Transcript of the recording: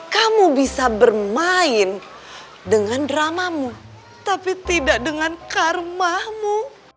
kamu bisa bermain dengan dramamu tapi tidak dengan karmamu